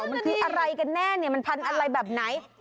มันคืออะไรกันแน่มันพันธุ์อะไรแบบไหน